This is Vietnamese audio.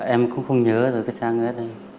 em cũng không nhớ được cái trang nữa